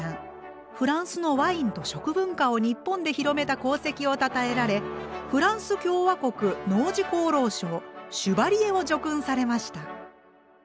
フランスのワインと食文化を日本で広めた功績をたたえられフランス共和国農事功労賞シュバリエを叙勲されました。